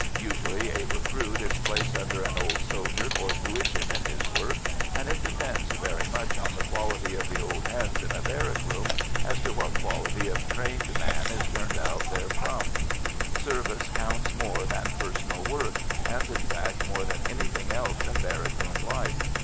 Usually a recruit is placed under an old soldier for tuition in his work, and it depends very much on the quality of the old hands in a barrack room as to what quality of trained man is turned out therefrom. Service counts more than personal worth, and in fact more than anything else in barrack room life.